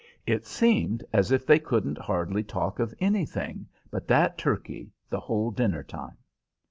It seemed as if they couldn't hardly talk of anything but that turkey the whole dinner time.